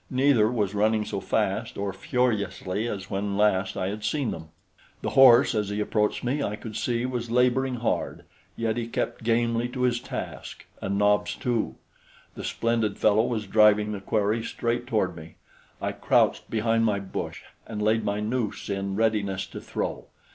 Neither was running so fast or furiously as when last I had seen them. The horse, as he approached me, I could see was laboring hard; yet he kept gamely to his task, and Nobs, too. The splendid fellow was driving the quarry straight toward me. I crouched behind my bush and laid my noose in readiness to throw.